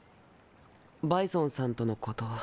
バイソンさんとのこと